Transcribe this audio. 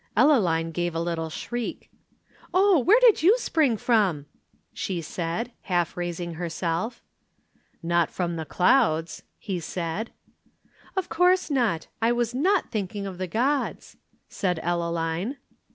Ellaline gave a little shriek. "Oh, where did you spring from?" she said, half raising herself. "Not from the clouds," he said. "Of course not. I was not thinking of the gods," said Ellaline.